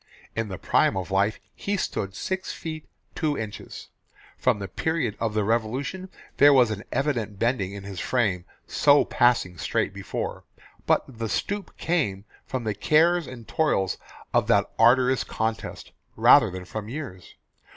In the prime of life he stood six feet, two inches. From the period of the Revolution there was an evident bending in his frame so passing straight before, but the stoop came from the cares and toils of that arduous contest rather than from years.